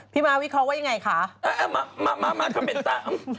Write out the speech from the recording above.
พี่มาวิเคราะห์ว่ายังไงคะ